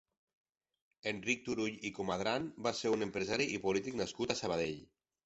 Enric Turull i Comadran va ser un empresari i polític nascut a Sabadell.